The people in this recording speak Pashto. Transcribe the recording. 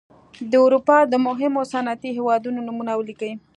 د اروپا د مهمو صنعتي هېوادونو نومونه ولیکئ.